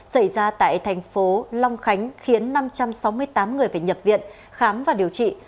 xảy ra tại thành phố long khánh khiến năm trăm sáu mươi tám người phải nhập viện khám và điều trị